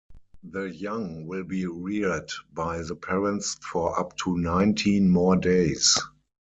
The young will be reared by the parents for up to nineteen more days.